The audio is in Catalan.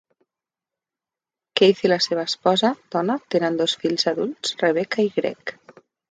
Keith i la seva esposa, Donna, tenen dos fills adults, Rebecca i Greg.